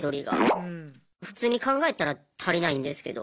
普通に考えたら足りないんですけど。